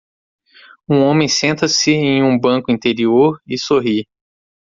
Um homem senta-se em um banco interior e sorri.